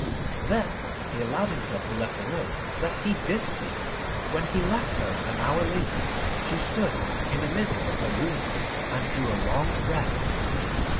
Then he allowed himself to let her know that he did see. When he left her an hour later she stood in the middle of her room and drew a long breath.